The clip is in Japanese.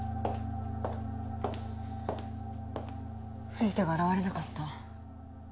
・藤田が現れなかった。